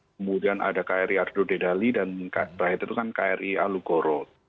kemudian ada kri ardo dedali dan bahaya itu kan kri alu goro